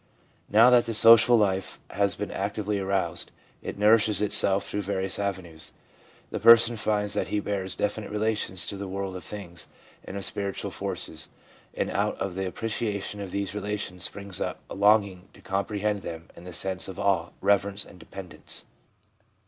Now that the spiritual life has been actively aroused, it nourishes itself through various avenues. The person finds that he bears definite relations to the world of things, and of spiritual forces, and out of the appreciation of these relations springs up a longing to comprehend them and the sense of awe, reverence and dependence.